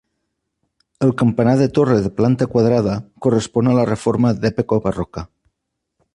El campanar de torre de planta quadrada correspon a la reforma d'època barroca.